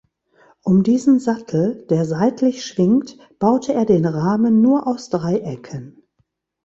Um diesen Sattel, der seitlich schwingt, baute er den Rahmen nur aus Dreiecken.